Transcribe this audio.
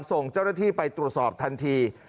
ส่งเจ้าหน้าที่ไปตรวจสอบทันที